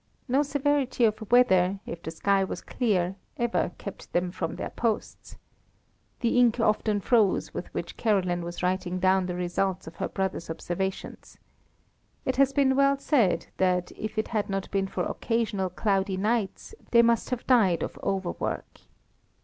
No severity of weather, if the sky was clear, ever kept them from their posts. The ink often froze with which Caroline was writing down the results of her brother's observations. It has been well said that if it had not been for occasional cloudy nights, they must have died of overwork.